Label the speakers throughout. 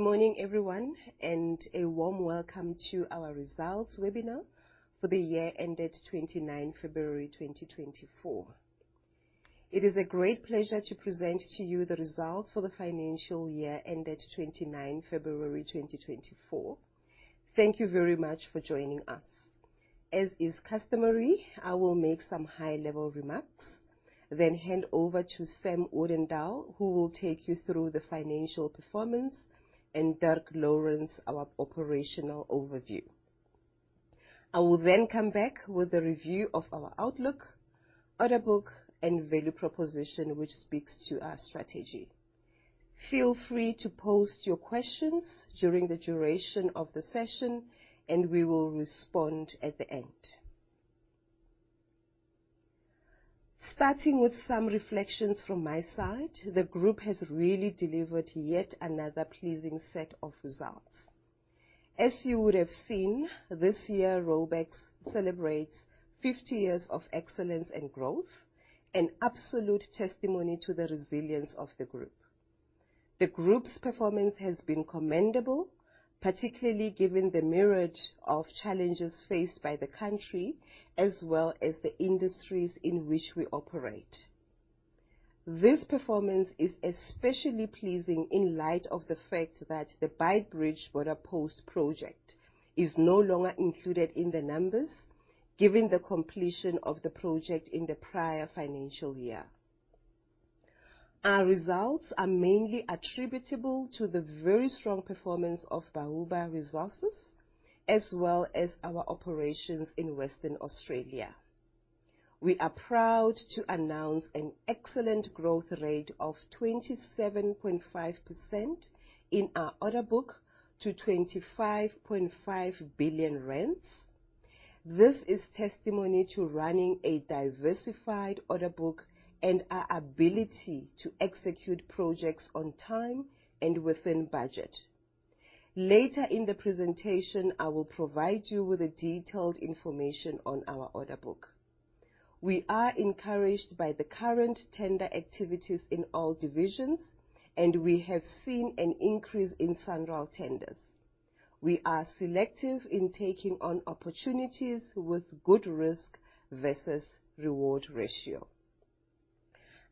Speaker 1: Good morning, everyone, and a warm welcome to our results webinar for the year ended February 29, 2024. It is a great pleasure to present to you the results for the financial year ended February 29, 2024. Thank you very much for joining us. As is customary, I will make some high-level remarks, then hand over to Sam Odendaal, who will take you through the financial performance, and Dirk Lourens, our operational overview. I will then come back with a review of our outlook, order book, and value proposition which speaks to our strategy. Feel free to post your questions during the duration of the session, and we will respond at the end. Starting with some reflections from my side, the group has really delivered yet another pleasing set of results. As you would have seen, this year Raubex celebrates 50 years of excellence and growth, an absolute testimony to the resilience of the group. The group's performance has been commendable, particularly given the myriad of challenges faced by the country as well as the industries in which we operate. This performance is especially pleasing in light of the fact that the Beitbridge Border Post project is no longer included in the numbers given the completion of the project in the prior financial year. Our results are mainly attributable to the very strong performance of Bauba Resources as well as our operations in Western Australia. We are proud to announce an excellent growth rate of 27.5% in our order book to 25.5 billion. This is testimony to running a diversified order book and our ability to execute projects on time and within budget. Later in the presentation, I will provide you with detailed information on our order book. We are encouraged by the current tender activities in all divisions, and we have seen an increase in central tenders. We are selective in taking on opportunities with good risk versus reward ratio.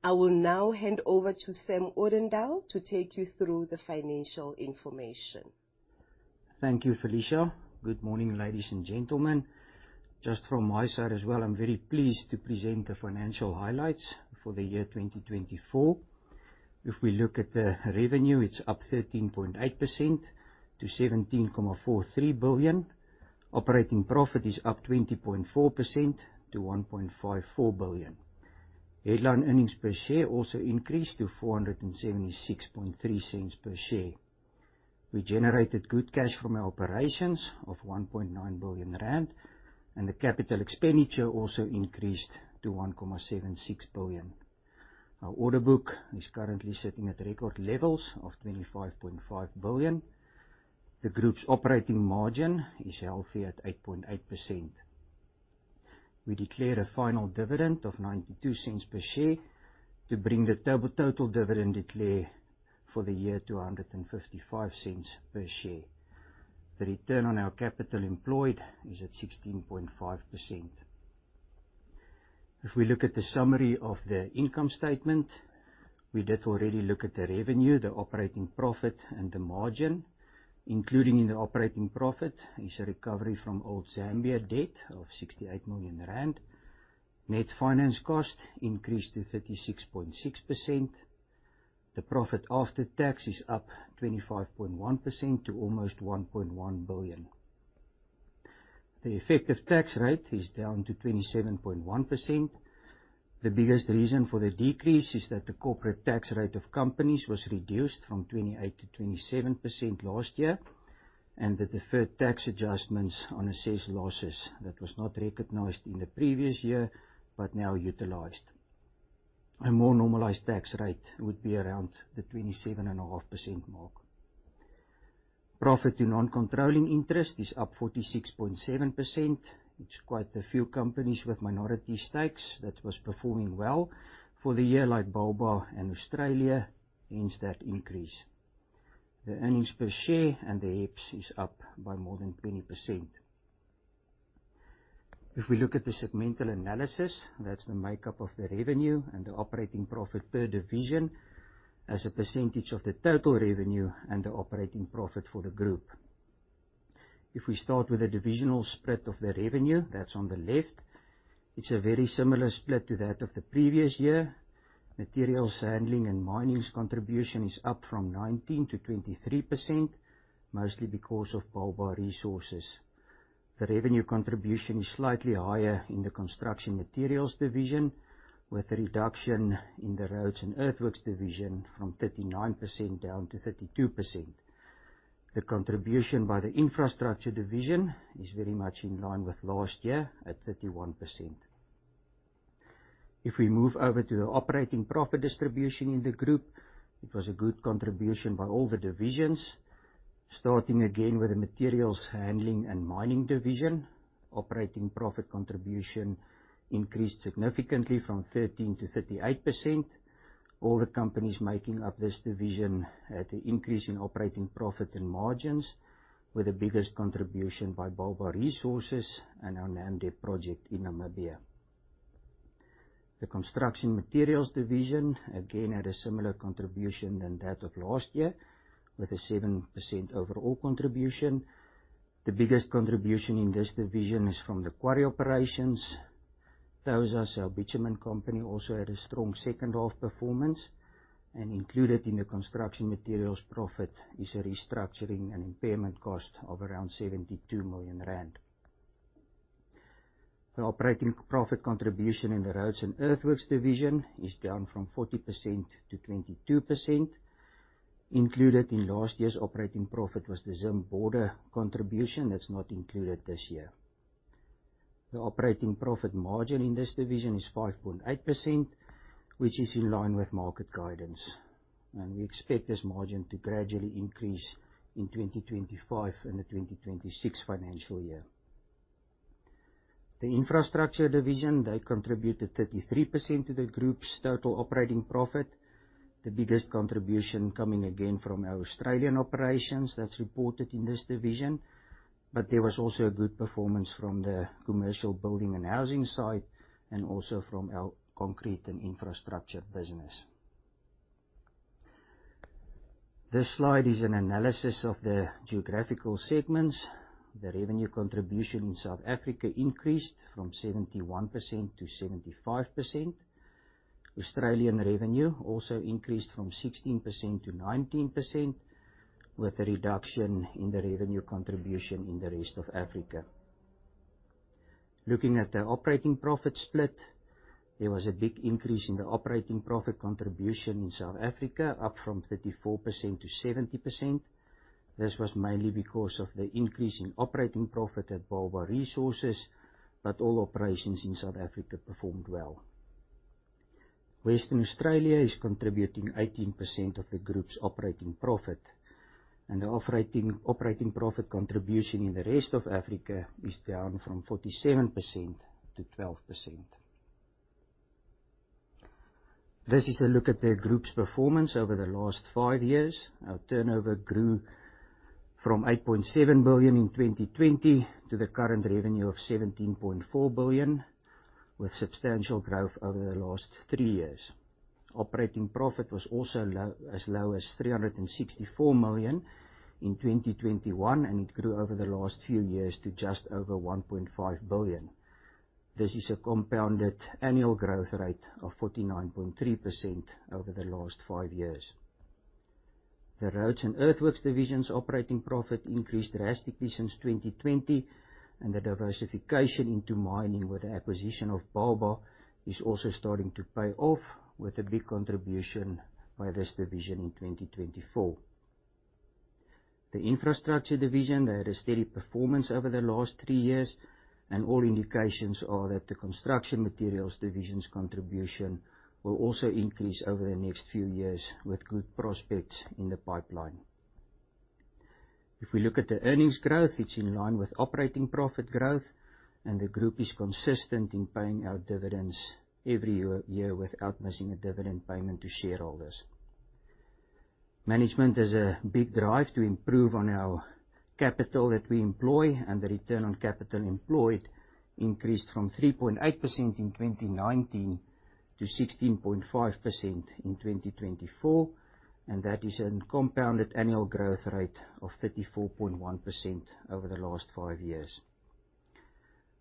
Speaker 1: I will now hand over to Samuel Odendaal to take you through the financial information.
Speaker 2: Thank you, Felicia. Good morning, ladies and gentlemen. Just from my side as well, I'm very pleased to present the financial highlights for the year 2024. If we look at the revenue, it's up 13.8% to 17.43 billion. Operating profit is up 20.4% to 1.54 billion. Headline earnings per share also increased to 4.763 per share. We generated good cash from our operations of 1.9 billion rand, and the capital expenditure also increased to 1.76 billion. Our order book is currently sitting at record levels of 25.5 billion. The group's operating margin is healthy at 8.8%. We declare a final dividend of 0.92 per share to bring the total dividend declared for the year to 1.55 per share. The return on our capital employed is at 16.5%. If we look at the summary of the income statement, we did already look at the revenue, the operating profit, and the margin. Including in the operating profit is a recovery from old Zambia debt of 68 million rand. Net finance cost increased to 36.6%. The profit after tax is up 25.1% to almost 1.1 billion. The effective tax rate is down to 27.1%. The biggest reason for the decrease is that the corporate tax rate of companies was reduced from 28% to 27% last year, and the deferred tax adjustments on assessed losses that were not recognized in the previous year but now utilized. A more normalized tax rate would be around the 27.5% mark. Profit to non-controlling interest is up 46.7%. It's quite a few companies with minority stakes that were performing well for the year like Bauba and Australia earned that increase. The earnings per share and the EPS is up by more than 20%. If we look at the segmental analysis, that's the makeup of the revenue and the operating profit per division as a percentage of the total revenue and the operating profit for the group. If we start with the divisional spread of the revenue, that's on the left, it's a very similar split to that of the previous year. Materials handling and mining's contribution is up from 19% to 23%, mostly because of Bauba Resources. The revenue contribution is slightly higher in the construction materials division, with a reduction in the roads and earthworks division from 39% to 32%. The contribution by the infrastructure division is very much in line with last year at 31%. If we move over to the operating profit distribution in the group, it was a good contribution by all the divisions. Starting again with the materials handling and mining division, operating profit contribution increased significantly from 13% to 38%. All the companies making up this division had an increase in operating profit and margins, with the biggest contribution by Bauba Resources and our Namdeb project in Namibia. The construction materials division, again, had a similar contribution than that of last year with a 7% overall contribution. The biggest contribution in this division is from the quarry operations. Tosas, SA Bitumen Company, also had a strong second-half performance, and included in the construction materials profit is a restructuring and impairment cost of around 72 million rand. The operating profit contribution in the roads and earthworks division is down from 40% to 22%. Included in last year's operating profit was the Zim border contribution that's not included this year. The operating profit margin in this division is 5.8%, which is in line with market guidance, and we expect this margin to gradually increase in 2025 and the 2026 financial year. The infrastructure division, they contributed 33% to the group's total operating profit, the biggest contribution coming again from our Australian operations that's reported in this division. There was also a good performance from the commercial building and housing side and also from our concrete and infrastructure business. This slide is an analysis of the geographical segments. The revenue contribution in South Africa increased from 71%-75%. Australian revenue also increased from 16%-19%, with a reduction in the revenue contribution in the rest of Africa. Looking at the operating profit split, there was a big increase in the operating profit contribution in South Africa, up from 34%-70%. This was mainly because of the increase in operating profit at Bauba Resources, but all operations in South Africa performed well. Western Australia is contributing 18% of the group's operating profit, and the operating profit contribution in the rest of Africa is down from 47% to 12%. This is a look at the group's performance over the last five years. Our turnover grew from 8.7 billion in 2020 to the current revenue of 17.4 billion, with substantial growth over the last three years. Operating profit was also as low as 364 million in 2021, and it grew over the last few years to just over 1.5 billion. This is a compounded annual growth rate of 49.3% over the last five years. The roads and earthworks division's operating profit increased drastically since 2020, and the diversification into mining with the acquisition of Bauba is also starting to pay off with a big contribution by this division in 2024. The infrastructure division, they had a steady performance over the last 3 years, and all indications are that the construction materials division's contribution will also increase over the next few years with good prospects in the pipeline. If we look at the earnings growth, it's in line with operating profit growth, and the group is consistent in paying out dividends every year without missing a dividend payment to shareholders. Management has a big drive to improve on our capital that we employ, and the return on capital employed increased from 3.8% in 2019 to 16.5% in 2024, and that is a compounded annual growth rate of 34.1% over the last 5 years.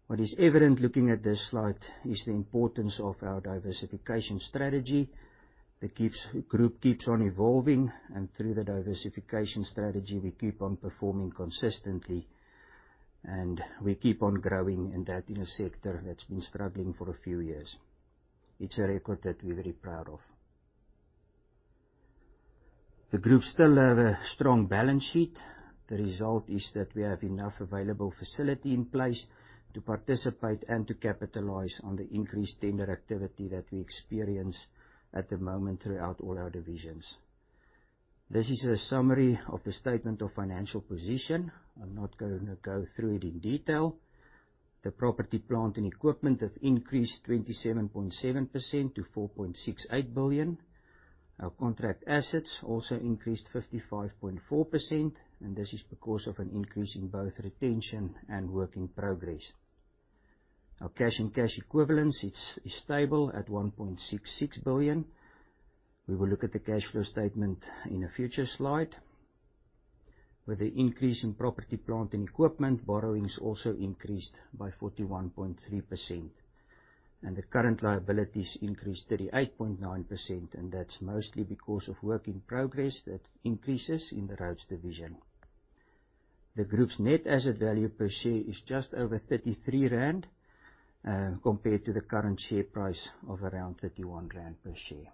Speaker 2: What is evident looking at this slide is the importance of our diversification strategy that keeps the group on evolving, and through the diversification strategy, we keep on performing consistently, and we keep on growing in that sector that's been struggling for a few years. It's a record that we're very proud of. The group still has a strong balance sheet. The result is that we have enough available facility in place to participate and to capitalize on the increased tender activity that we experience at the moment throughout all our divisions. This is a summary of the statement of financial position. I'm not going to go through it in detail. The property, plant, and equipment have increased 27.7% to 4.68 billion. Our contract assets also increased 55.4%, and this is because of an increase in both retention and working progress. Our cash and cash equivalents is stable at 1.66 billion. We will look at the cash flow statement in a future slide. With the increase in property, plant, and equipment, borrowings also increased by 41.3%, and the current liabilities increased 38.9%, and that's mostly because of work in progress that increases in the roads division. The group's net asset value per share is just over 33 rand compared to the current share price of around 31 rand per share.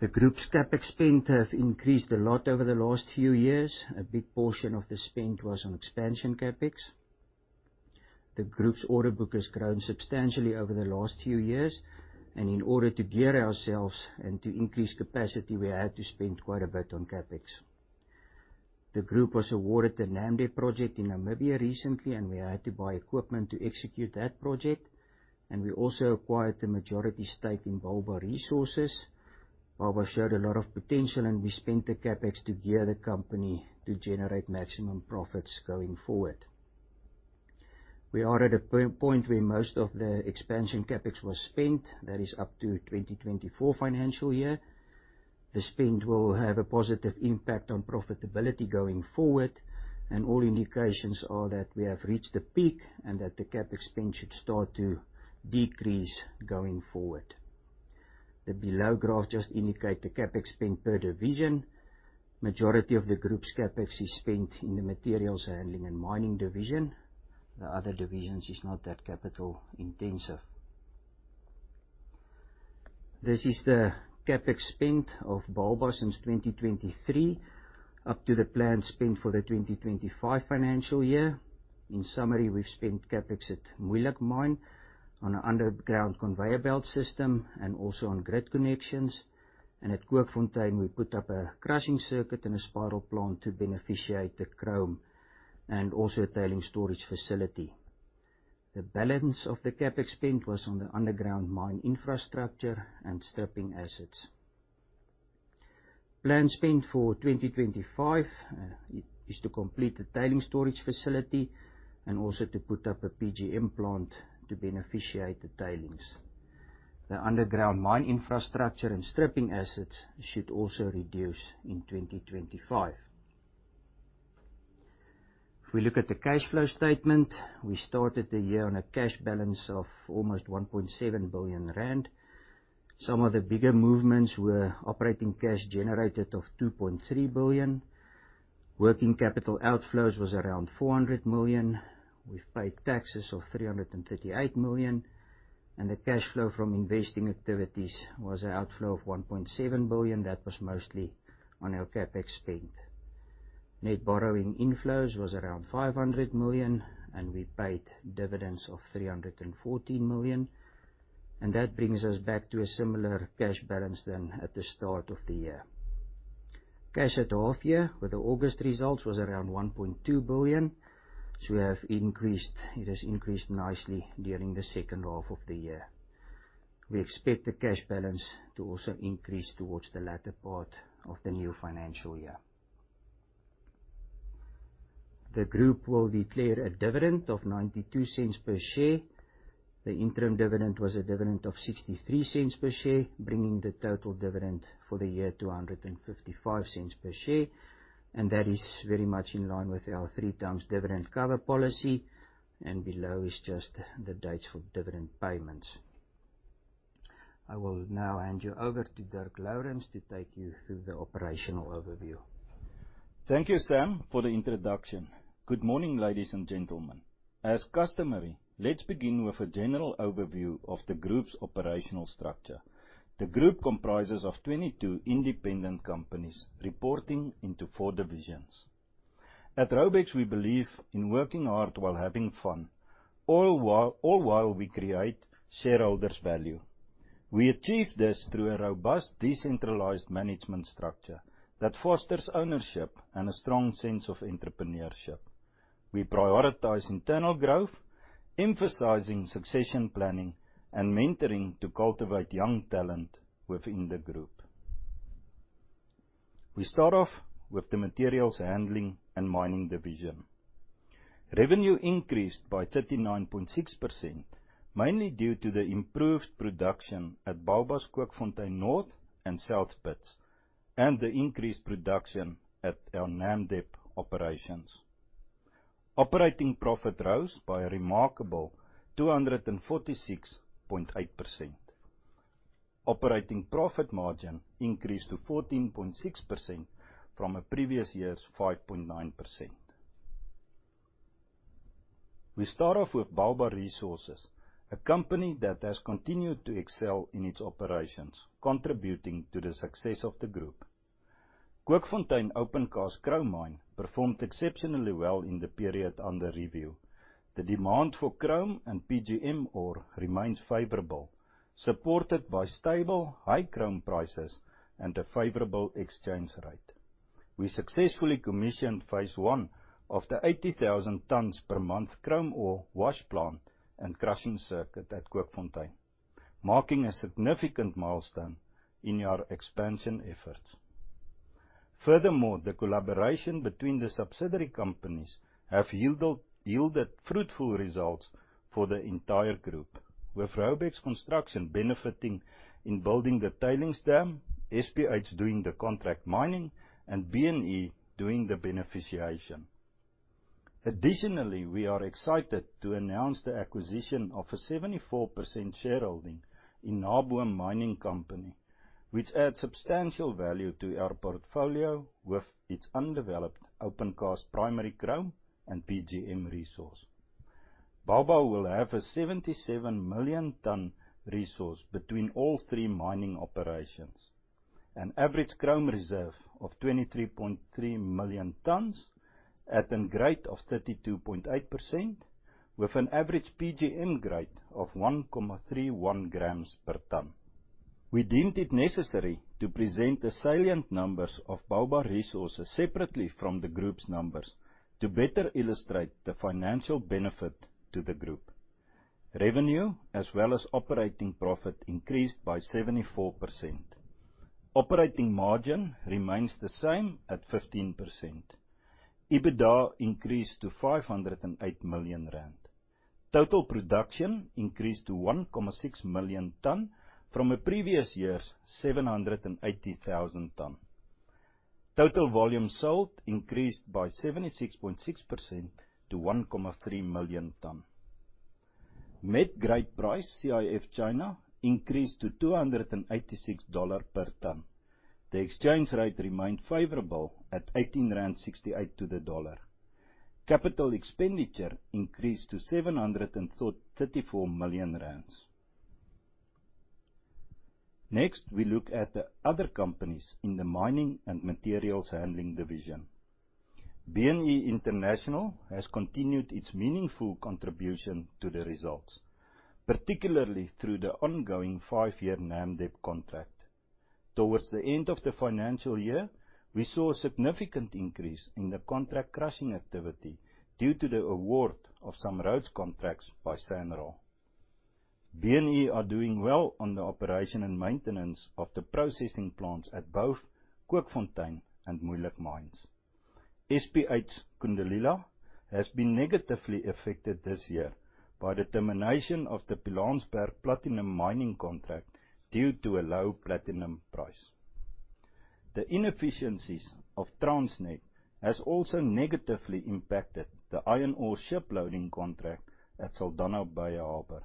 Speaker 2: The group's CapEx spend has increased a lot over the last few years. A big portion of the spend was on expansion CapEx. The group's order book has grown substantially over the last few years, and in order to gear ourselves and to increase capacity, we had to spend quite a bit on CapEx. The group was awarded the Namdeb project in Namibia recently, and we had to buy equipment to execute that project, and we also acquired the majority stake in Bauba Resources. Bauba showed a lot of potential, and we spent the CAPEX to gear the company to generate maximum profits going forward. We are at a point where most of the expansion CAPEX was spent. That is up to 2024 financial year. The spend will have a positive impact on profitability going forward, and all indications are that we have reached the peak and that the CAPEX spend should start to decrease going forward. The below graph just indicates the CAPEX spend per division. The majority of the group's CAPEX is spent in the materials handling and mining division. The other divisions are not that capital intensive. This is the CapEx spend of Bauba since 2023 up to the planned spend for the 2025 financial year. In summary, we've spent CapEx at Moeijelijk Mine on an underground conveyor belt system and also on grid connections. At Kookfontein, we put up a crushing circuit and a spiral plant to beneficiate the chrome and also a tailings storage facility. The balance of the CapEx spend was on the underground mine infrastructure and stripping assets. Planned spend for 2025 is to complete the tailings storage facility and also to put up a PGM plant to beneficiate the tailings. The underground mine infrastructure and stripping assets should also reduce in 2025. If we look at the cash flow statement, we started the year on a cash balance of almost 1.7 billion rand. Some of the bigger movements were operating cash generated of 2.3 billion. Working capital outflows were around 400 million. We've paid taxes of 338 million, and the cash flow from investing activities was an outflow of 1.7 billion. That was mostly on our CapEx spend. Net borrowing inflows were around 500 million, and we paid dividends of 314 million, and that brings us back to a similar cash balance than at the start of the year. Cash at half-year with the August results was around 1.2 billion, so it has increased nicely during the second half of the year. We expect the cash balance to also increase towards the latter part of the new financial year. The group will declare a dividend of 0.92 per share. The interim dividend was a dividend of 0.63 per share, bringing the total dividend for the year to 1.55 per share, and that is very much in line with our 3x dividend cover policy. Below is just the dates for dividend payments. I will now hand you over to Dirk Lourens to take you through the operational overview.
Speaker 3: Thank you, Sam, for the introduction. Good morning, ladies and gentlemen. As customary, let's begin with a general overview of the group's operational structure. The group comprises 22 independent companies reporting into four divisions. At Raubex, we believe in working hard while having fun, all while we create shareholders' value. We achieve this through a robust decentralized management structure that fosters ownership and a strong sense of entrepreneurship. We prioritize internal growth, emphasizing succession planning and mentoring to cultivate young talent within the group. We start off with the materials handling and mining division. Revenue increased by 39.6%, mainly due to the improved production at Bauba's Kookfontein North and South Pits, and the increased production at our Namdeb operations. Operating profit rose by a remarkable 246.8%. Operating profit margin increased to 14.6% from the previous year's 5.9%. We start off with Bauba Resources, a company that has continued to excel in its operations, contributing to the success of the group. Kookfontein Open Cast Chrome Mine performed exceptionally well in the period under review. The demand for chrome and PGM ore remains favorable, supported by stable, high chrome prices and a favorable exchange rate. We successfully commissioned phase I of the 80,000 tonnes per month chrome ore wash plant and crushing circuit at Kookfontein, marking a significant milestone in our expansion efforts. Furthermore, the collaboration between the subsidiary companies has yielded fruitful results for the entire group, with Raubex Construction benefiting in building the tailings dam, SPH doing the contract mining, and B&E doing the beneficiation. Additionally, we are excited to announce the acquisition of a 74% shareholding in Naboom Mining Company, which adds substantial value to our portfolio with its undeveloped open-cast primary chrome and PGM resource. Bauba will have a 77 million tonne resource between all three mining operations, an average chrome reserve of 23.3 million tonnes at a grade of 32.8%, with an average PGM grade of 1.31 g per tonne. We deemed it necessary to present the salient numbers of Bauba Resources separately from the group's numbers to better illustrate the financial benefit to the group: revenue, as well as operating profit, increased by 74%; operating margin remains the same at 15%; EBITDA increased to 508 million rand; total production increased to 1.6 million tonnes from the previous year's 780,000 tonnes; total volume sold increased by 76.6% to 1.3 million tonnes. Met grade price CIF China increased to $286 per tonne; the exchange rate remained favorable at 18.68 rand to the dollar; capital expenditure increased to 734 million rand. Next, we look at the other companies in the mining and materials handling division. B&E International has continued its meaningful contribution to the results, particularly through the ongoing five-year Namdeb contract. Towards the end of the financial year, we saw a significant increase in the contract crushing activity due to the award of some roads contracts by SANRAL. B&E are doing well on the operation and maintenance of the processing plants at both Kookfontein and Moeijelijk Mines. SPH Kundalila has been negatively affected this year by the termination of the Pilanesberg platinum mining contract due to a low platinum price. The inefficiencies of Transnet have also negatively impacted the iron ore shiploading contract at Saldanha Bay Harbour.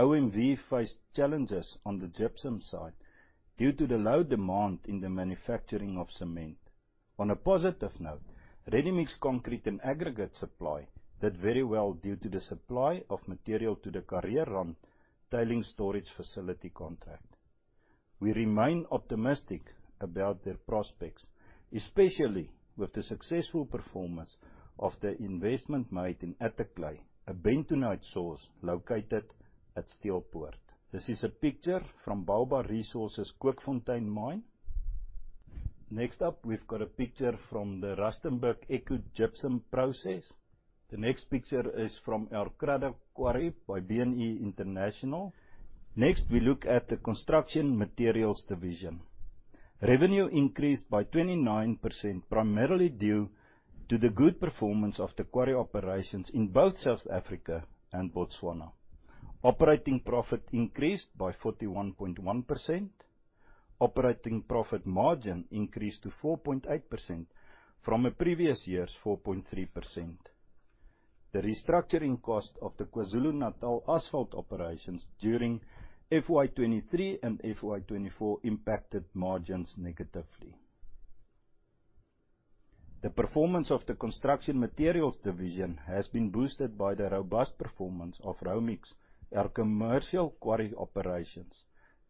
Speaker 3: OMV faced challenges on the gypsum side due to the low demand in the manufacturing of cement. On a positive note, Readymix concrete and aggregate supply did very well due to the supply of material to the Kareerand tailing storage facility contract. We remain optimistic about their prospects, especially with the successful performance of the investment made in Attaclay, a Bentonite source located at Steelpoort. This is a picture from Bauba Resources Kookfontein Mine. Next up, we've got a picture from the Rustenburg OMV gypsum process. The next picture is from El Credo Quarry by B&E International. Next, we look at the construction materials division. Revenue increased by 29% primarily due to the good performance of the quarry operations in both South Africa and Botswana. Operating profit increased by 41.1%. Operating profit margin increased to 4.8% from the previous year's 4.3%. The restructuring cost of the KwaZulu-Natal asphalt operations during FY2023 and FY2024 impacted margins negatively. The performance of the construction materials division has been boosted by the robust performance of Raumix's commercial quarry operations,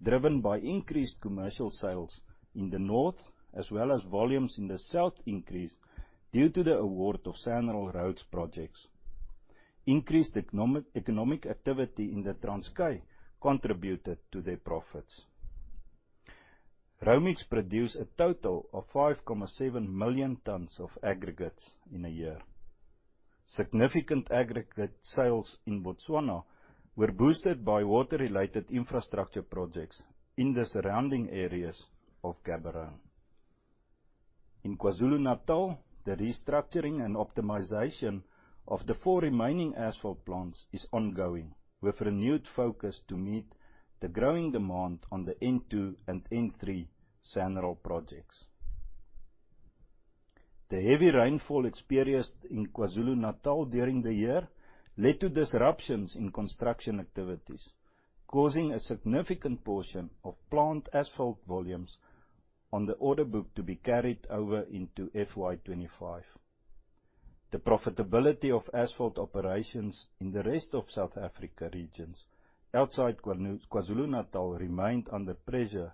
Speaker 3: driven by increased commercial sales in the north as well as volumes in the south increased due to the award of SANRAL roads projects. Increased economic activity in the Transkei contributed to their profits. Raumix produced a total of 5.7 million tons of aggregates in a year. Significant aggregate sales in Botswana were boosted by water-related infrastructure projects in the surrounding areas of Gaborone. In KwaZulu-Natal, the restructuring and optimization of the four remaining asphalt plants is ongoing, with renewed focus to meet the growing demand on the N2 and N3 SANRAL projects. The heavy rainfall experienced in KwaZulu-Natal during the year led to disruptions in construction activities, causing a significant portion of plant asphalt volumes on the order book to be carried over into FY2025. The profitability of asphalt operations in the rest of South Africa regions outside KwaZulu-Natal remained under pressure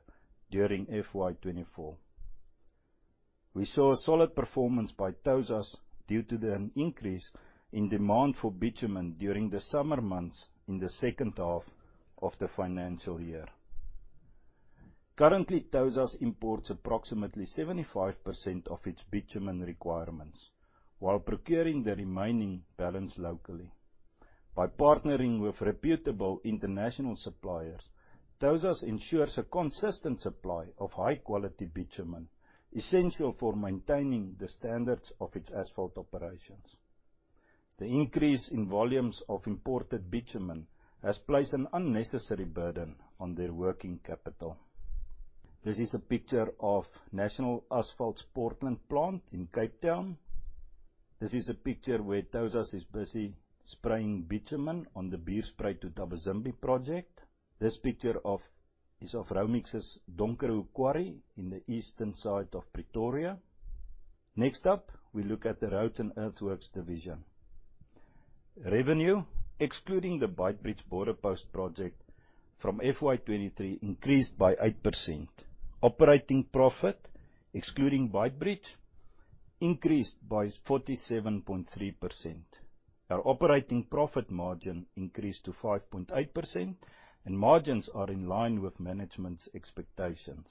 Speaker 3: during FY2024. We saw a solid performance by Tosas due to an increase in demand for bitumen during the summer months in the second half of the financial year. Currently, Tosas imports approximately 75% of its bitumen requirements, while procuring the remaining balance locally. By partnering with reputable international suppliers, Tosas ensures a consistent supply of high-quality bitumen essential for maintaining the standards of its asphalt operations. The increase in volumes of imported bitumen has placed an unnecessary burden on their working capital. This is a picture of National Asphalt Portland plant in Cape Town. This is a picture where Tosas is busy spraying bitumen on the Bierspruit to Thabazimbi project. This picture is of Raumix's Donkerhoek Quarry in the eastern side of Pretoria. Next up, we look at the roads and earthworks division. Revenue, excluding the Beitbridge Border Post project, from FY2023 increased by 8%; operating profit, excluding Beitbridge, increased by 47.3%; our operating profit margin increased to 5.8%, and margins are in line with management's expectations.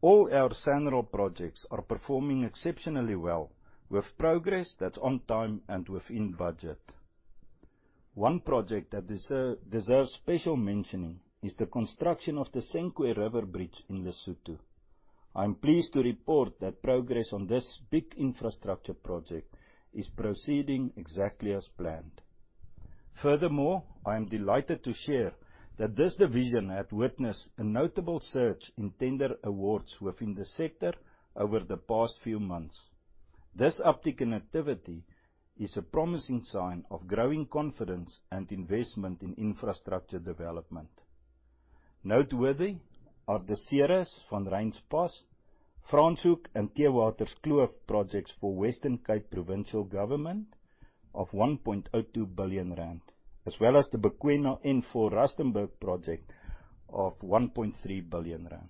Speaker 3: All our SANRAL projects are performing exceptionally well, with progress that's on time and within budget. One project that deserves special mentioning is the construction of the Senqu River bridge in Lesotho. I am pleased to report that progress on this big infrastructure project is proceeding exactly as planned. Furthermore, I am delighted to share that this division had witnessed a notable surge in tender awards within the sector over the past few months. This uptick in activity is a promising sign of growing confidence and investment in infrastructure development. Noteworthy are the Van Rhyns Pass, Franschhoek and Theewaterskloof projects for Western Cape Provincial Government of 1.02 billion rand, as well as the Bakwena N4 Rustenburg project of 1.3 billion rand.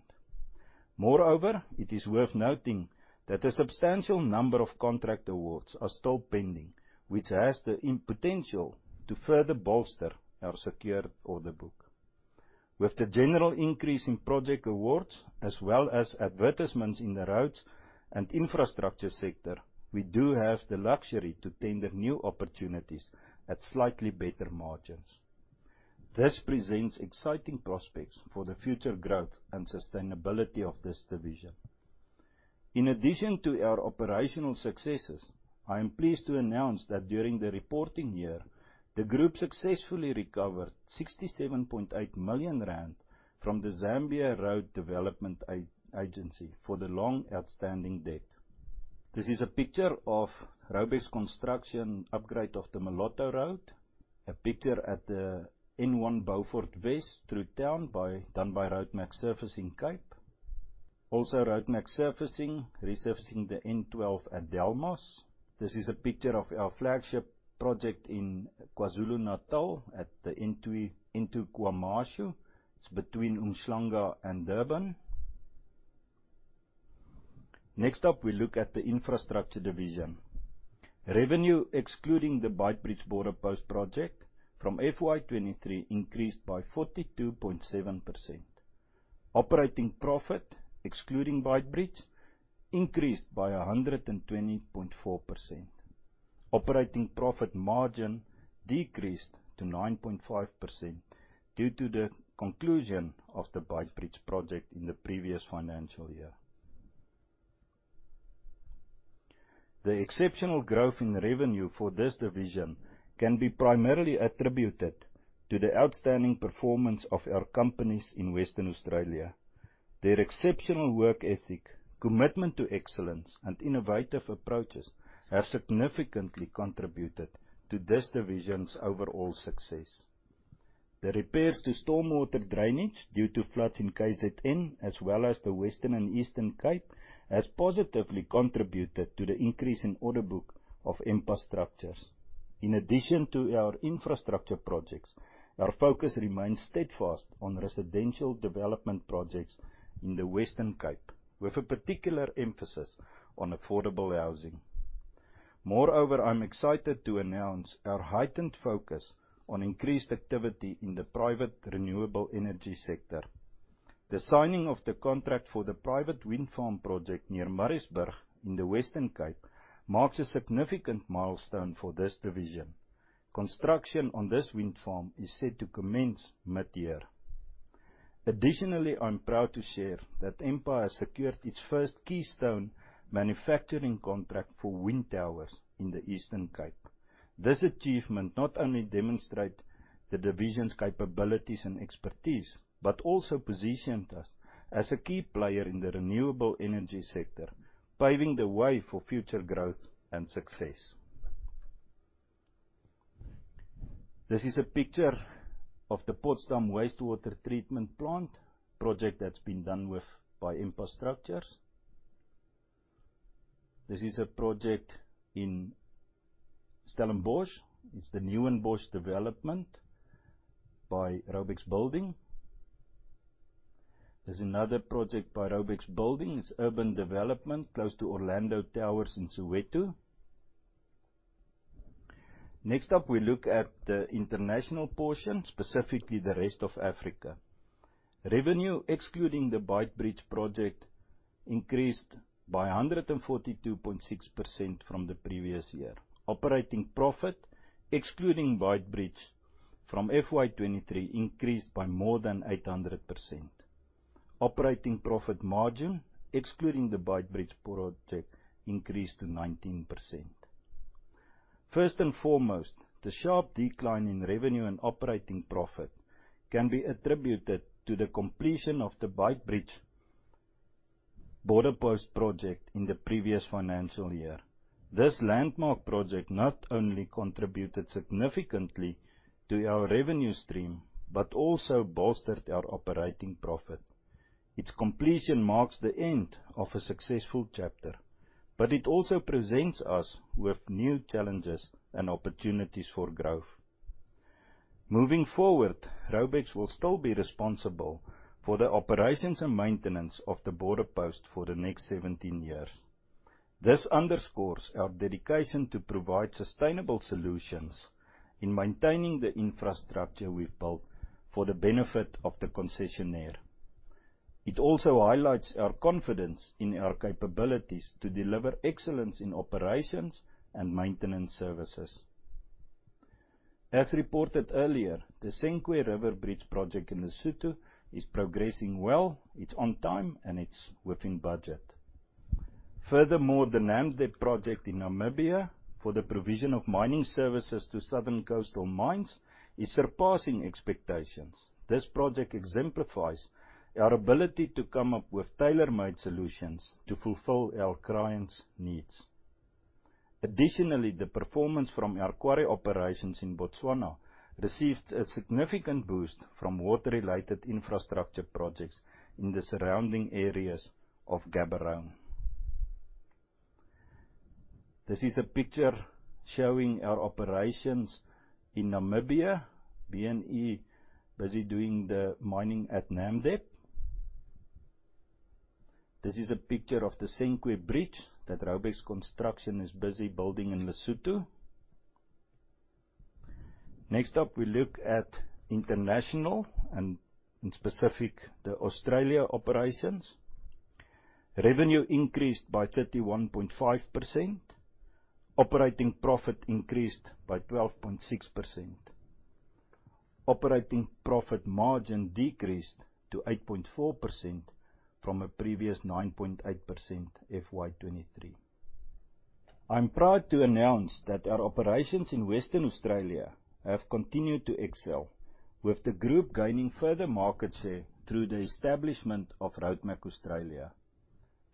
Speaker 3: Moreover, it is worth noting that a substantial number of contract awards are still pending, which has the potential to further bolster our secured order book. With the general increase in project awards, as well as advertisements in the roads and infrastructure sector, we do have the luxury to tender new opportunities at slightly better margins. This presents exciting prospects for the future growth and sustainability of this division. In addition to our operational successes, I am pleased to announce that during the reporting year, the group successfully recovered 67.8 million rand from the Zambia Road Development Agency for the long outstanding debt. This is a picture of Raubex Construction upgrade of the Moloto Road. A picture at the N1 Beaufort West through town done by Roadmac Surfacing in Cape. Also Roadmac Surfacing resurfacing the N12 at Delmas. This is a picture of our flagship project in KwaZulu-Natal at the N2 KwaMashu between Umhlanga and Durban. Next up, we look at the infrastructure division. Revenue, excluding the Beitbridge Border Post project, from FY2023 increased by 42.7%. Operating profit, excluding Beitbridge, increased by 120.4%. Operating profit margin decreased to 9.5% due to the conclusion of the Beitbridge project in the previous financial year. The exceptional growth in revenue for this division can be primarily attributed to the outstanding performance of our companies in Western Australia. Their exceptional work ethic, commitment to excellence, and innovative approaches have significantly contributed to this division's overall success. The repairs to stormwater drainage due to floods in KZN, as well as the Western and Eastern Cape, have positively contributed to the increase in order book of MPA Structures. In addition to our infrastructure projects, our focus remains steadfast on residential development projects in the Western Cape, with a particular emphasis on affordable housing. Moreover, I am excited to announce our heightened focus on increased activity in the private renewable energy sector. The signing of the contract for the private wind farm project near Moorreesburg in the Western Cape marks a significant milestone for this division: construction on this wind farm is set to commence mid-year. Additionally, I am proud to share that MPA has secured its first keystone manufacturing contract for wind towers in the Eastern Cape. This achievement not only demonstrates the division's capabilities and expertise, but also positions us as a key player in the renewable energy sector, paving the way for future growth and success. This is a picture of the Potsdam Wastewater Treatment Plant project that's been done with by MPA Structures. This is a project in Stellenbosch. It's the Newinbosch Development by Raubex Building. There's another project by Raubex Building. It's urban development close to Orlando Towers in Soweto. Next up, we look at the international portion, specifically the rest of Africa. Revenue, excluding the Beitbridge project, increased by 142.6% from the previous year. Operating profit, excluding Beitbridge, from FY2023 increased by more than 800%. Operating profit margin, excluding the Beitbridge project, increased to 19%. First and foremost, the sharp decline in revenue and operating profit can be attributed to the completion of the Beitbridge Border Post project in the previous financial year. This landmark project not only contributed significantly to our revenue stream, but also bolstered our operating profit. Its completion marks the end of a successful chapter, but it also presents us with new challenges and opportunities for growth. Moving forward, Raubex will still be responsible for the operations and maintenance of the border post for the next 17 years. This underscores our dedication to provide sustainable solutions in maintaining the infrastructure we've built for the benefit of the concessionaire. It also highlights our confidence in our capabilities to deliver excellence in operations and maintenance services. As reported earlier, the Senqu River bridge project in Lesotho is progressing well, it's on time, and it's within budget. Furthermore, the Namdeb project in Namibia for the provision of mining services to southern coastal mines is surpassing expectations. This project exemplifies our ability to come up with tailor-made solutions to fulfill our clients' needs. Additionally, the performance from our quarry operations in Botswana receives a significant boost from water-related infrastructure projects in the surrounding areas of Gaborone. This is a picture showing our operations in Namibia. B&E is busy doing the mining at Namdeb. This is a picture of the Senqu bridge that Raubex Construction is busy building in Lesotho. Next up, we look at international, and in specific the Australia operations: revenue increased by 31.5%. Operating profit increased by 12.6%. Operating profit margin decreased to 8.4% from the previous 9.8% FY2023. I am proud to announce that our operations in Western Australia have continued to excel, with the group gaining further market share through the establishment of Roadmax Australia.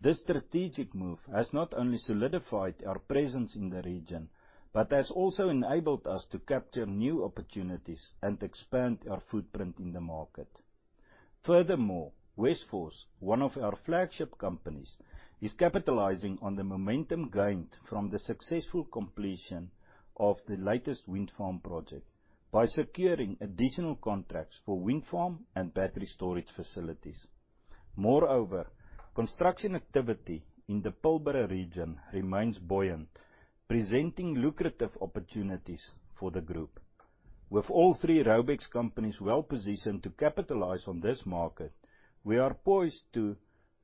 Speaker 3: This strategic move has not only solidified our presence in the region, but has also enabled us to capture new opportunities and expand our footprint in the market. Furthermore, Westforce, one of our flagship companies, is capitalizing on the momentum gained from the successful completion of the latest wind farm project by securing additional contracts for wind farm and battery storage facilities. Moreover, construction activity in the Pilbara region remains buoyant, presenting lucrative opportunities for the group. With all three Raubex companies well-positioned to capitalize on this market, we are poised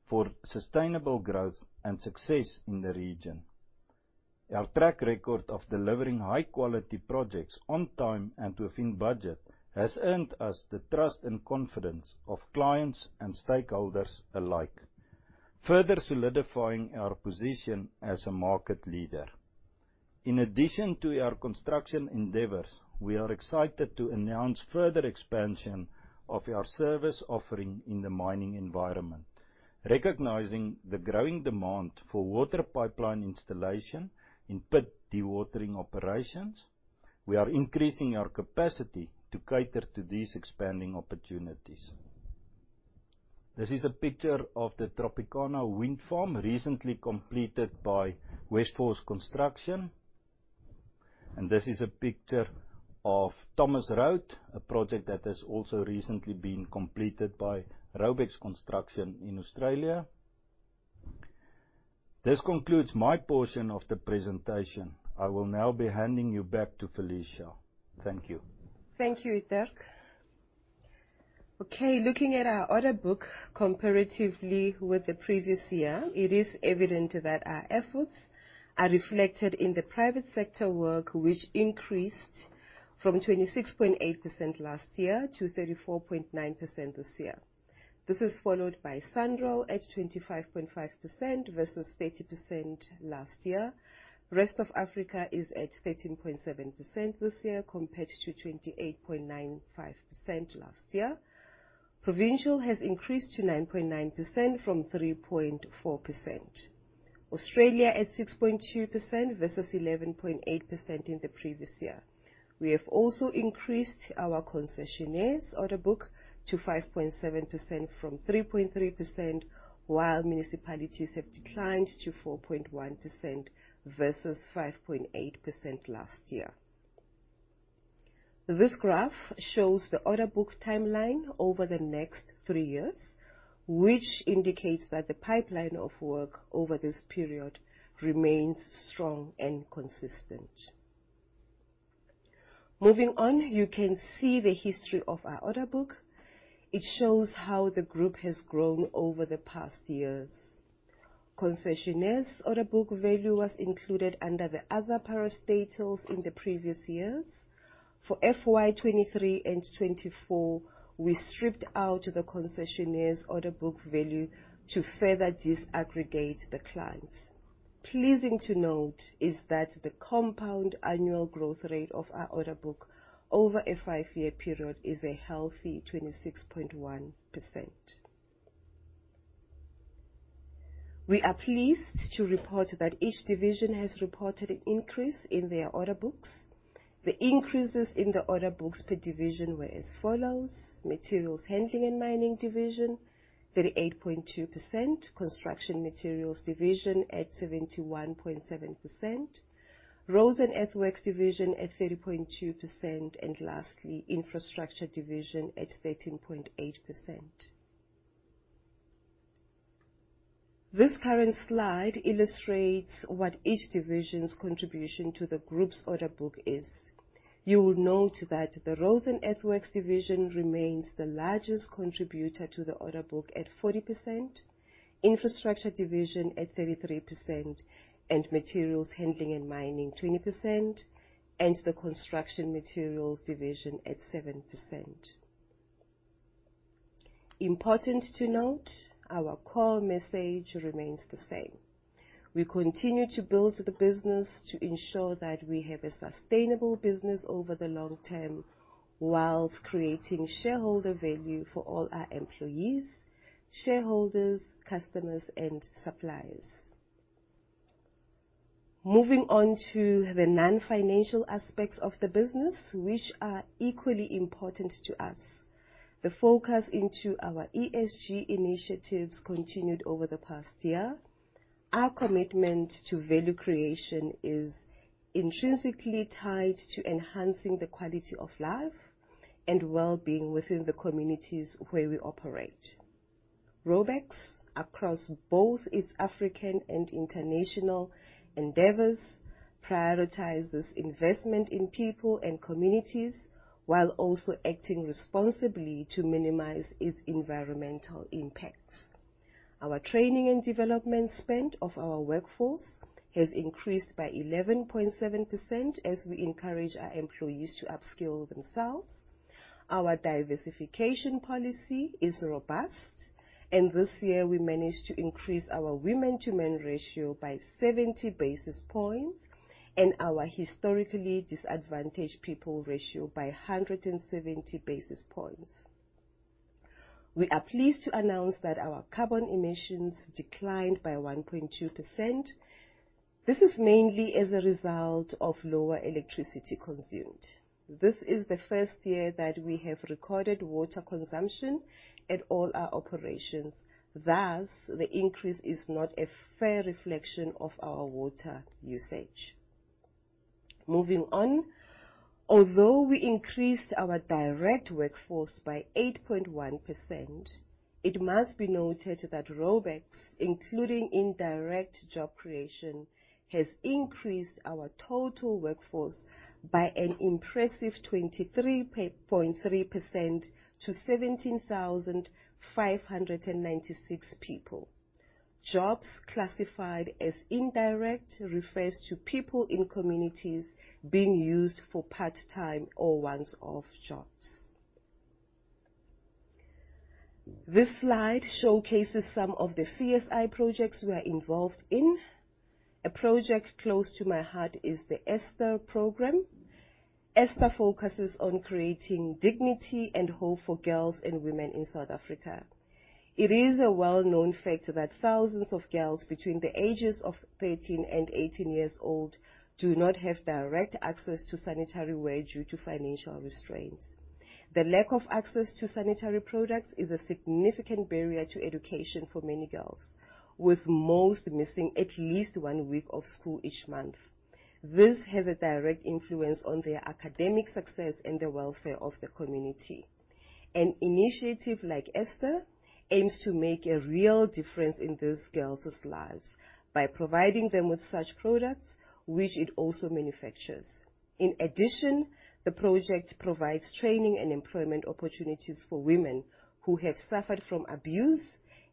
Speaker 3: for sustainable growth and success in the region. Our track record of delivering high-quality projects on time and within budget has earned us the trust and confidence of clients and stakeholders alike, further solidifying our position as a market leader. In addition to our construction endeavors, we are excited to announce further expansion of our service offering in the mining environment, recognizing the growing demand for water pipeline installation in pit dewatering operations. We are increasing our capacity to cater to these expanding opportunities. This is a picture of the Tropicana wind farm recently completed by Westforce Construction, and this is a picture of Thomas Road, a project that has also recently been completed by Raubex Construction in Australia. This concludes my portion of the presentation. I will now be handing you back to Felicia. Thank you.
Speaker 1: Thank you, Dirk. Okay, looking at our order book comparatively with the previous year, it is evident that our efforts are reflected in the private sector work, which increased from 26.8% last year to 34.9% this year. This is followed by SANRAL at 25.5% versus 30% last year. The rest of Africa is at 13.7% this year compared to 28.95% last year. Provincial has increased to 9.9% from 3.4%. Australia at 6.2% versus 11.8% in the previous year. We have also increased our concessionaire's order book to 5.7% from 3.3%, while municipalities have declined to 4.1% versus 5.8% last year. This graph shows the order book timeline over the next three years, which indicates that the pipeline of work over this period remains strong and consistent. Moving on, you can see the history of our order book. It shows how the group has grown over the past years. Concessionaire's order book value was included under the other parastatals in the previous years. For FY2023 and 2024, we stripped out the concessionaire's order book value to further disaggregate the clients. Pleasing to note is that the compound annual growth rate of our order book over a five-year period is a healthy 26.1%. We are pleased to report that each division has reported an increase in their order books. The increases in the order books per division were as follows: Materials Handling and Mining Division, 38.2%; Construction Materials Division at 71.7%; Roads and Earthworks Division at 30.2%; and lastly, Infrastructure Division at 13.8%. This current slide illustrates what each division's contribution to the group's order book is. You will note that the Roads and Earthworks Division remains the largest contributor to the order book at 40%, Infrastructure Division at 33%, and Materials Handling and Mining, 20%, and the Construction Materials Division at 7%. Important to note, our core message remains the same. We continue to build the business to ensure that we have a sustainable business over the long term whilst creating shareholder value for all our employees, shareholders, customers, and suppliers. Moving on to the non-financial aspects of the business, which are equally important to us, the focus into our ESG initiatives continued over the past year. Our commitment to value creation is intrinsically tied to enhancing the quality of life and well-being within the communities where we operate. Raubex, across both its African and international endeavors, prioritizes investment in people and communities while also acting responsibly to minimize its environmental impacts. Our training and development spend of our workforce has increased by 11.7% as we encourage our employees to upskill themselves. Our diversification policy is robust, and this year we managed to increase our women-to-men ratio by 70 basis points and our historically disadvantaged people ratio by 170 basis points. We are pleased to announce that our carbon emissions declined by 1.2%. This is mainly as a result of lower electricity consumed. This is the first year that we have recorded water consumption at all our operations. Thus, the increase is not a fair reflection of our water usage. Moving on, although we increased our direct workforce by 8.1%, it must be noted that Raubex, including indirect job creation, has increased our total workforce by an impressive 23.3% to 17,596 people. Jobs classified as indirect refers to people in communities being used for part-time or once-off jobs. This slide showcases some of the CSI projects we are involved in. A project close to my heart is the ESTHER Program. ESTHER focuses on creating dignity and hope for girls and women in South Africa. It is a well-known fact that thousands of girls between the ages of 13 and 18 years old do not have direct access to sanitary wear due to financial restraints. The lack of access to sanitary products is a significant barrier to education for many girls, with most missing at least one week of school each month. This has a direct influence on their academic success and the welfare of the community. An initiative like ESTHER aims to make a real difference in these girls' lives by providing them with such products, which it also manufactures. In addition, the project provides training and employment opportunities for women who have suffered from abuse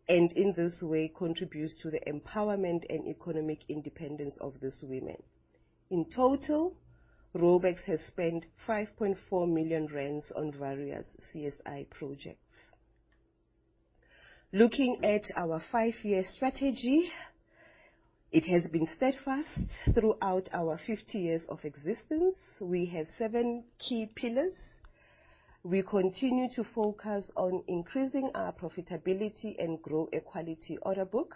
Speaker 1: and, in this way, contributes to the empowerment and economic independence of these women. In total, Raubex has spent 5.4 million rand on various CSI projects. Looking at our five-year strategy, it has been steadfast throughout our 50 years of existence. We have seven key pillars. We continue to focus on increasing our profitability and grow our quality order book.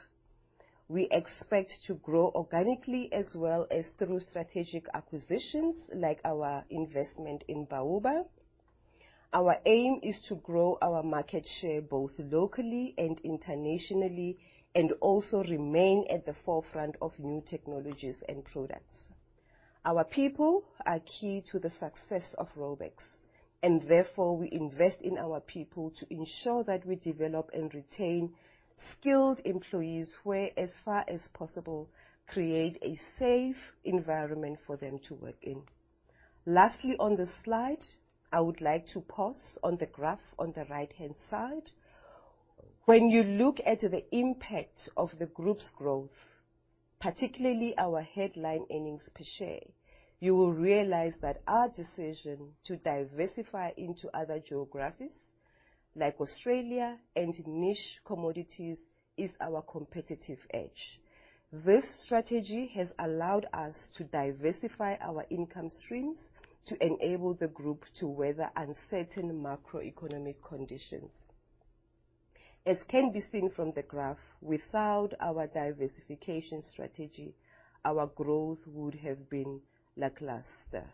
Speaker 1: We expect to grow organically as well as through strategic acquisitions like our investment in Bauba. Our aim is to grow our market share both locally and internationally and also remain at the forefront of new technologies and products. Our people are key to the success of Raubex, and therefore, we invest in our people to ensure that we develop and retain skilled employees where, as far as possible, create a safe environment for them to work in. Lastly, on the slide, I would like to pause on the graph on the right-hand side. When you look at the impact of the group's growth, particularly our headline earnings per share, you will realize that our decision to diversify into other geographies like Australia and niche commodities is our competitive edge. This strategy has allowed us to diversify our income streams to enable the group to weather uncertain macroeconomic conditions. As can be seen from the graph, without our diversification strategy, our growth would have been lackluster.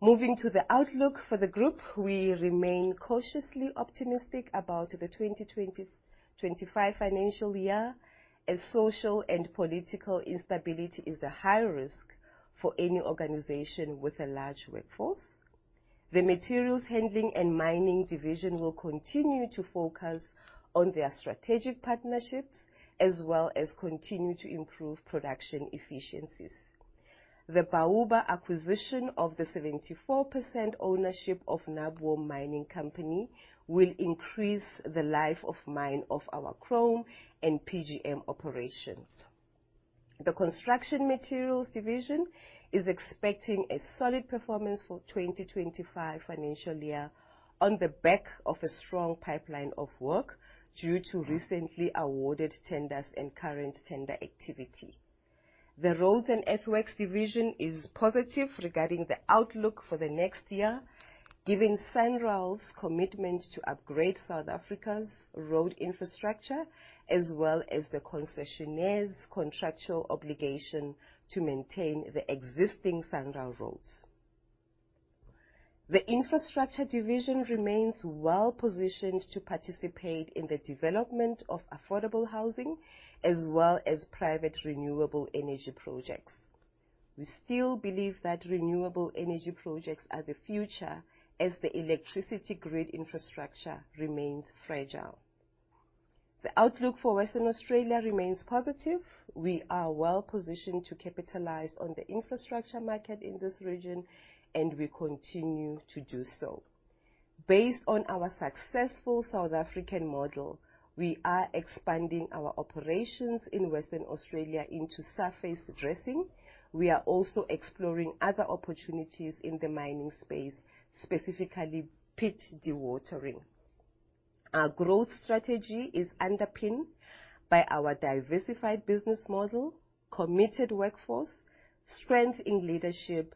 Speaker 1: Moving to the outlook for the group, we remain cautiously optimistic about the 2020-2025 financial year, as social and political instability is a high risk for any organization with a large workforce. The Materials Handling and Mining Division will continue to focus on their strategic partnerships as well as continue to improve production efficiencies. The Bauba acquisition of the 74% ownership of Naboom Mining Company will increase the life of mine of our chrome and PGM operations. The Construction Materials Division is expecting a solid performance for 2025 financial year on the back of a strong pipeline of work due to recently awarded tenders and current tender activity. The Roads and Earthworks Division is positive regarding the outlook for the next year, given SANRAL's commitment to upgrade South Africa's road infrastructure as well as the concessionaire's contractual obligation to maintain the existing SANRAL roads. The Infrastructure Division remains well-positioned to participate in the development of affordable housing as well as private renewable energy projects. We still believe that renewable energy projects are the future as the electricity grid infrastructure remains fragile. The outlook for Western Australia remains positive. We are well-positioned to capitalize on the infrastructure market in this region, and we continue to do so. Based on our successful South African model, we are expanding our operations in Western Australia into surface dressing. We are also exploring other opportunities in the mining space, specifically pit dewatering. Our growth strategy is underpinned by our diversified business model, committed workforce, strength in leadership,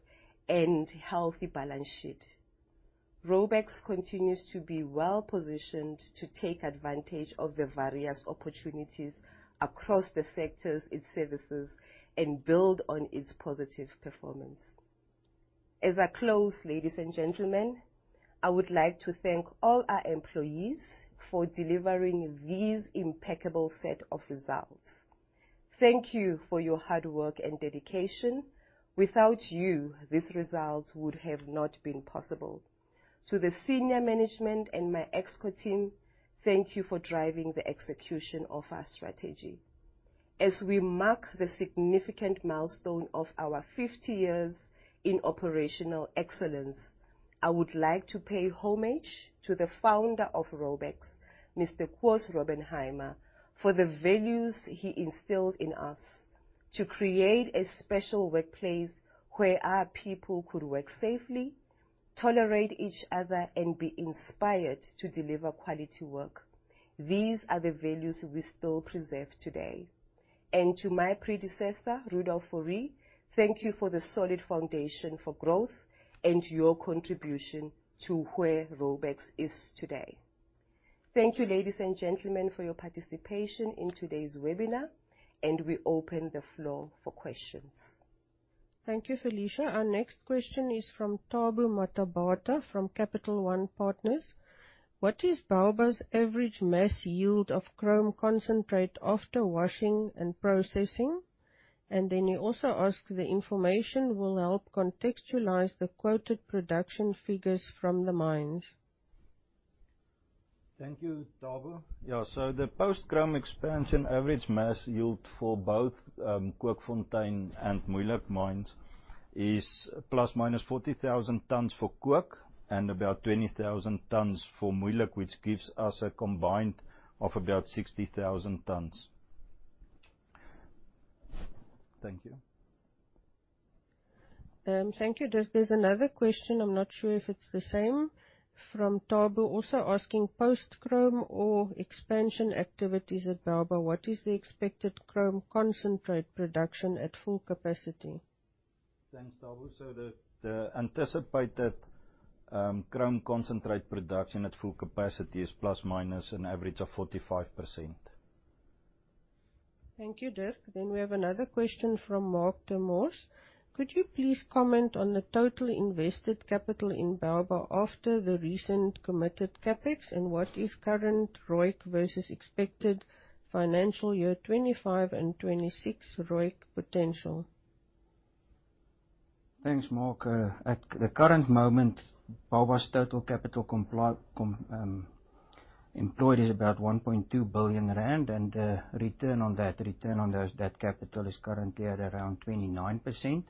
Speaker 1: and healthy balance sheet. Raubex continues to be well-positioned to take advantage of the various opportunities across the sectors, its services, and build on its positive performance. As I close, ladies and gentlemen, I would like to thank all our employees for delivering this impeccable set of results. Thank you for your hard work and dedication. Without you, these results would have not been possible. To the senior management and my Exco team, thank you for driving the execution of our strategy. As we mark the significant milestone of our 50 years in operational excellence, I would like to pay homage to the founder of Raubex, Mr. Koos Raubenheimer, for the values he instilled in us: to create a special workplace where our people could work safely, tolerate each other, and be inspired to deliver quality work. These are the values we still preserve today. To my predecessor, Rudolf Fourie, thank you for the solid foundation for growth and your contribution to where Raubex is today. Thank you, ladies and gentlemen, for your participation in today's webinar, and we open the floor for questions.
Speaker 4: Thank you, Felicia. Our next question is from Thabo Mathebula from Capital One Partners. What is Bauba's average mass yield of chrome concentrate after washing and processing? And then you also ask the information will help contextualize the quoted production figures from the mines.
Speaker 3: Thank you, Thabo. Yeah, so the post-chrome expansion average mass yield for both Kookfontein and Moeijelijk mines is ±40,000 tons for Kook and about 20,000 tons for Moeijelijk, which gives us a combined of about 60,000 tons. Thank you.
Speaker 4: Thank you. There's another question. I'm not sure if it's the same. From Thabo, also asking: post-chrome or expansion activities at Bauba, what is the expected chrome concentrate production at full capacity?
Speaker 3: Thanks, Thabo. So to anticipate that chrome concentrate production at full capacity is plus or minus an average of 45%.
Speaker 4: Thank you, Dirk. Then we have another question from Marc ter Mors. Could you please comment on the total invested capital in Bauba after the recent committed CapEx, and what is current ROIC versus expected financial year 2025 and 2026 ROIC potential?
Speaker 2: Thanks, Mark. At the current moment, Bauba's total capital employed is about 1.2 billion rand, and the return on that capital is currently at around 29%.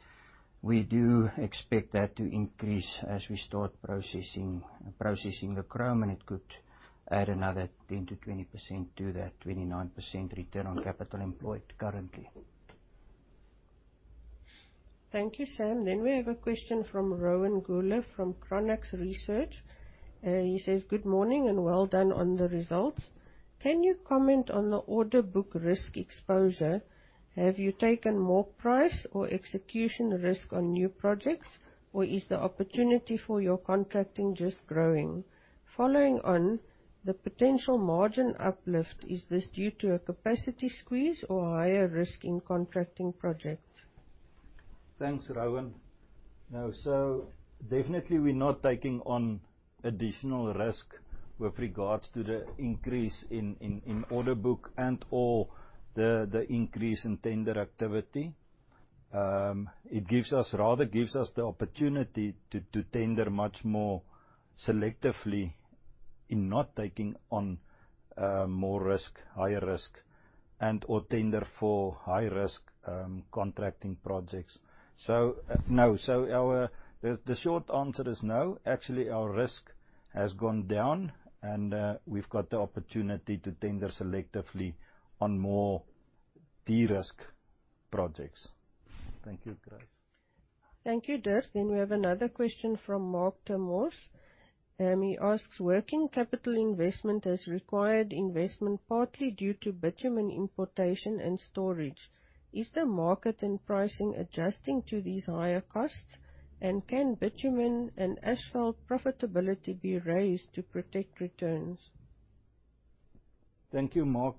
Speaker 2: We do expect that to increase as we start processing the chrome, and it could add another 10%-20% to that 29% return on capital employed currently.
Speaker 4: Thank you, Sam. Then we have a question from Rowan Goeller from Chronux Research. He says, "Good morning and well done on the results. Can you comment on the order book risk exposure? Have you taken more price or execution risk on new projects, or is the opportunity for your contracting just growing? Following on, the potential margin uplift, is this due to a capacity squeeze or higher risk in contracting projects?
Speaker 3: Thanks, Rowan. Yeah, so definitely we're not taking on additional risk with regards to the increase in order book and/or the increase in tender activity. It rather gives us the opportunity to tender much more selectively in not taking on more risk, higher risk, and/or tender for high-risk contracting projects. So no, so the short answer is no. Actually, our risk has gone down, and we've got the opportunity to tender selectively on more de-risk projects. Thank you, Grace.
Speaker 4: Thank you, Dirk. Then we have another question from Marc ter Mors. He asks: "Working capital investment is required investment partly due to bitumen importation and storage. Is the market and pricing adjusting to these higher costs, and can bitumen and asphalt profitability be raised to protect returns?
Speaker 3: Thank you, Marc.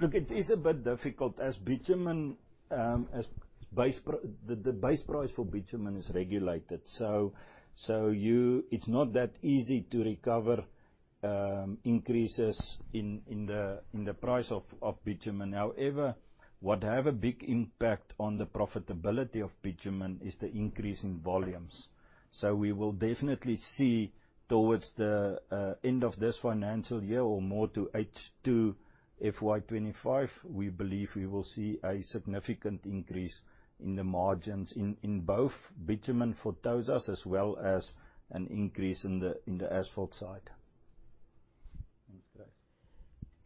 Speaker 3: Look, it is a bit difficult as bitumen the base price for bitumen is regulated, so it's not that easy to recover increases in the price of bitumen. However, what have a big impact on the profitability of bitumen is the increase in volumes. So we will definitely see towards the end of this financial year or more to H2 FY2025, we believe we will see a significant increase in the margins in both bitumen for Tosas as well as an increase in the asphalt side.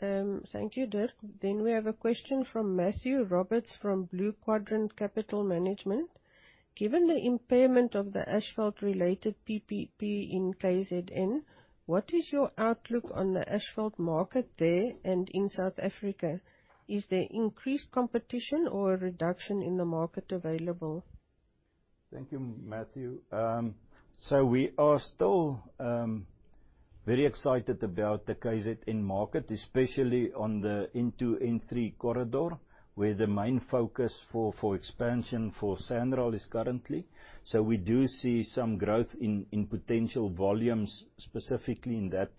Speaker 3: Thanks, Grace.
Speaker 4: Thank you, Dirk. Then we have a question from Matthew Roberts from Blue Quadrant Capital Management. "Given the impairment of the asphalt-related PPP in KZN, what is your outlook on the asphalt market there and in South Africa? Is there increased competition or a reduction in the market available?
Speaker 3: Thank you, Matthew. So we are still very excited about the KZN market, especially on the N2, N3 corridor, where the main focus for expansion for SANRAL is currently. So we do see some growth in potential volumes specifically in that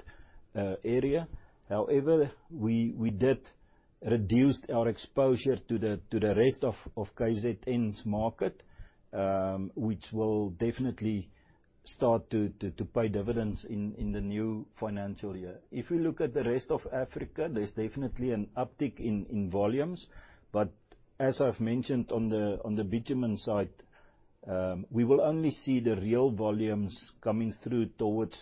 Speaker 3: area. However, we did reduce our exposure to the rest of KZN's market, which will definitely start to pay dividends in the new financial year. If we look at the rest of Africa, there's definitely an uptick in volumes, but as I've mentioned on the bitumen side, we will only see the real volumes coming through towards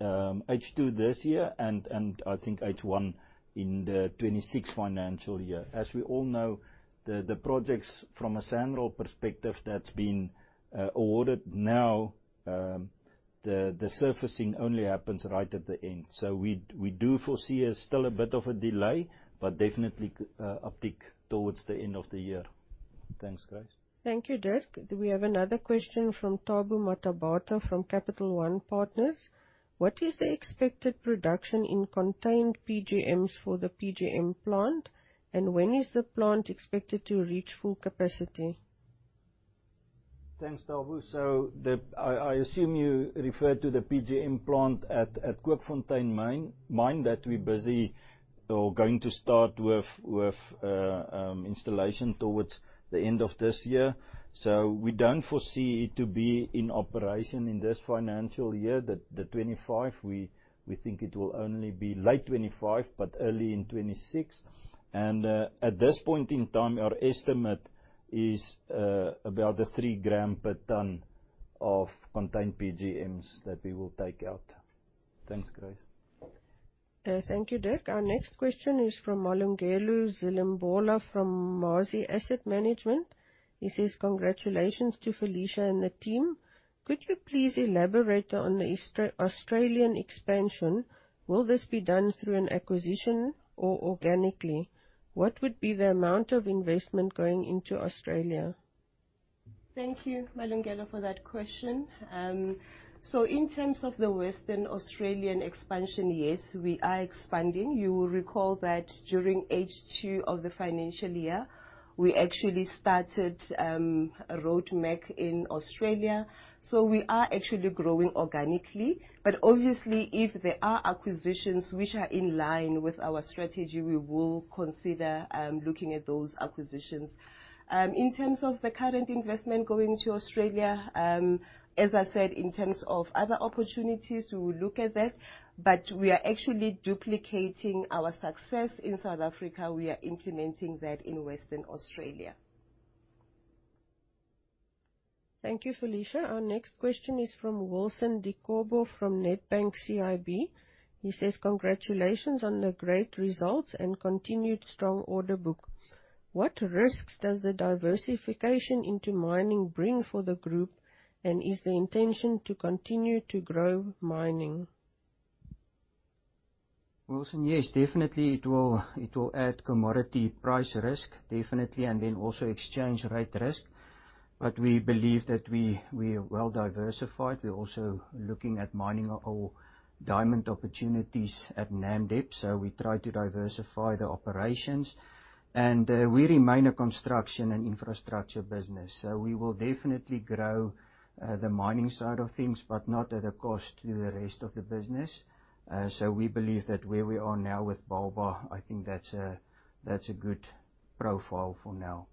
Speaker 3: H2 this year and I think H1 in the 2026 financial year. As we all know, the projects from a SANRAL perspective that's been awarded now, the surfacing only happens right at the end. We do foresee still a bit of a delay, but definitely uptick towards the end of the year. Thanks, Grace.
Speaker 4: Thank you, Dirk. We have another question from Thabo Mathebula from Capital One Partners. "What is the expected production in contained PGMs for the PGM plant, and when is the plant expected to reach full capacity?
Speaker 3: Thanks, Thabo. So I assume you refer to the PGM plant at Kookfontein Mine that we're busy or going to start with installation towards the end of this year. So we don't foresee it to be in operation in this financial year, 2025. We think it will only be late 2025 but early in 2026. And at this point in time, our estimate is about a 3 g per ton of contained PGMs that we will take out. Thanks, Grace.
Speaker 4: Thank you, Dirk. Our next question is from Malungelo Zilimbola from Mazi Asset Management. He says, "Congratulations to Felicia and the team. Could you please elaborate on the Australian expansion? Will this be done through an acquisition or organically? What would be the amount of investment going into Australia?
Speaker 1: Thank you, Malungelo, for that question. So in terms of the Western Australian expansion, yes, we are expanding. You will recall that during H2 of the financial year, we actually started a Roadmax in Australia. So we are actually growing organically, but obviously, if there are acquisitions which are in line with our strategy, we will consider looking at those acquisitions. In terms of the current investment going to Australia, as I said, in terms of other opportunities, we will look at that. But we are actually duplicating our success in South Africa. We are implementing that in Western Australia.
Speaker 4: Thank you, Felicia. Our next question is from Wilson Dukwa from Nedbank CIB. He says, "Congratulations on the great results and continued strong order book. What risks does the diversification into mining bring for the group, and is the intention to continue to grow mining?
Speaker 2: Wilson, yes, definitely it will add commodity price risk, definitely, and then also exchange rate risk. But we believe that we're well-diversified. We're also looking at mining or diamond opportunities at Namdeb, so we try to diversify the operations. We remain a construction and infrastructure business. So we will definitely grow the mining side of things, but not at a cost to the rest of the business. So we believe that where we are now with Bauba, I think that's a good profile for now.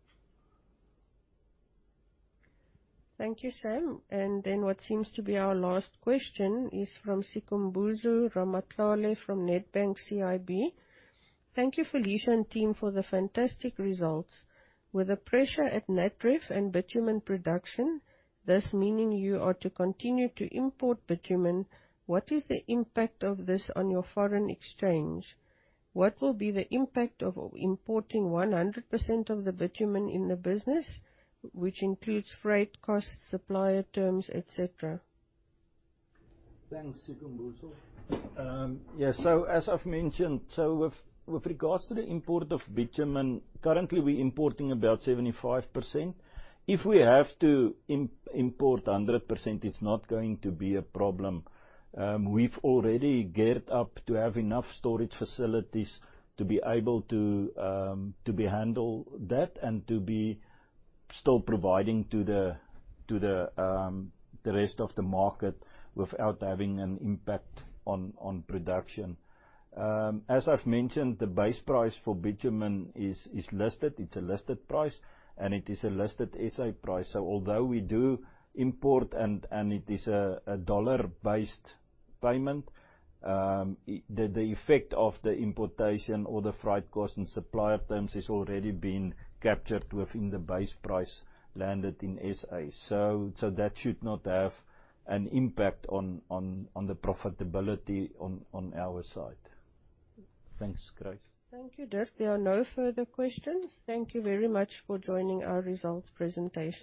Speaker 4: Thank you, Sam. Then what seems to be our last question is from Sikhumbuzo Ramathele from Nedbank CIB. "Thank you, Felicia and team, for the fantastic results. With the pressure at Natref and bitumen production, this meaning you are to continue to import bitumen, what is the impact of this on your foreign exchange? What will be the impact of importing 100% of the bitumen in the business, which includes freight costs, supplier terms, etc.?
Speaker 3: Thanks, Sikhumbuzo. Yeah, so as I've mentioned, so with regards to the import of bitumen, currently we're importing about 75%. If we have to import 100%, it's not going to be a problem. We've already geared up to have enough storage facilities to be able to handle that and to be still providing to the rest of the market without having an impact on production. As I've mentioned, the base price for bitumen is listed. It's a listed price, and it is a listed SA price. So although we do import and it is a dollar-based payment, the effect of the importation or the freight costs and supplier terms has already been captured within the base price landed in SA. So that should not have an impact on the profitability on our side. Thanks, Grace.
Speaker 4: Thank you, Dirk. There are no further questions. Thank you very much for joining our results presentation.